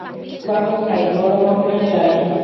বলো ভাই, গৌরমোহনের জয়।